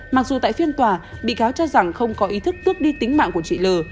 mặc dù tại phiên tòa bị cáo cho rằng không có ý thức tước đi tính mạng của chị l